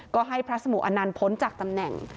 ก็ให้พระสมุอนันต์พ้นจากตำแหน่ง